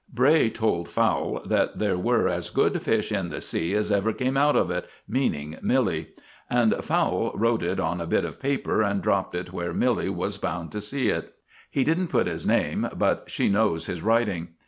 Bray told Fowle that there were as good fish in the sea as ever came out of it meaning Milly; and Fowle wrote it on a bit of paper and dropped it where Milly was bound to see it. He didn't put his name, but she knows his writing.